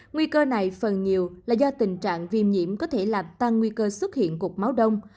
nguy cơ này phần nhiều là do tình trạng viêm nhiễm có thể làm tăng nguy cơ xuất hiện cục máu đông